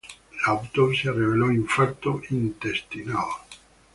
La autopsia reveló infarto intestinal.